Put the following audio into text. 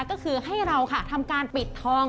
ก็คือให้เราค่ะทำการปิดทอง